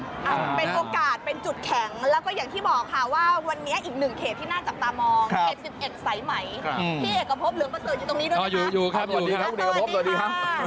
เป็นโอกาสเป็นจุดแข็งและก็อย่างที่บอกครับว่า